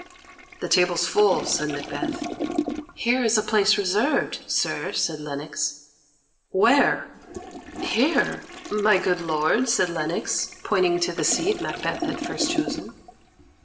"The table's full," said Macbeth. "Here is a place reserved, sir," said Lennox. "Where?" "Here, my good lord," said Lennox, pointing to the seat Macbeth had first chosen.